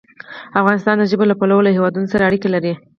افغانستان د ژبو له پلوه له هېوادونو سره اړیکې لري.